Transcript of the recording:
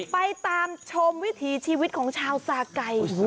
ไปตามชมวิถีชีวิตของชาวสาไก่